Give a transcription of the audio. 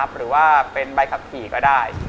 หรือว่าเป็นใบขับขี่ก็ได้